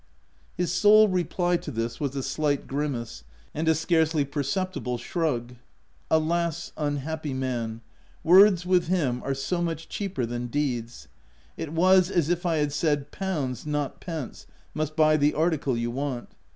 His sole reply to this was a slight grimace, and a scarcely perceptible shrug. Alas unhappy man ! words, with him, are so much cheaper than deeds ; it was as if I had said, " Pounds, not pence, must buy the article you want."